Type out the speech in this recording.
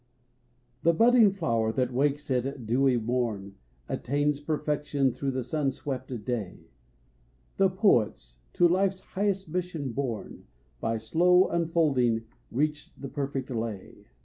The budding flower that wakes at dewy morn Attains perfection through the sun swept day, And poets, to life's highest mission born, By slow unfolding reach the perfect lay.